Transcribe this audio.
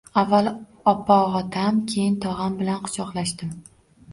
Avval opog‘otam, keyin tog‘am bilan quchoqlashdim